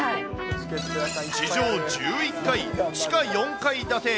地上１１階、地下４階建て。